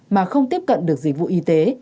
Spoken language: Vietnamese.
mà không tiếp cận được dịch vụ y tế